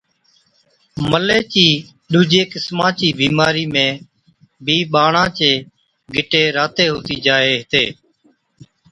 ملي چي ڏُوجي قِسما چِي بِيمارِي ۾ بِي ٻاڙان چي گِٽي راتي هُتِي جائي هِتي